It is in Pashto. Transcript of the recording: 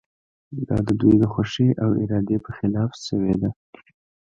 دا د دوی د خوښې او ارادې په خلاف شوې ده.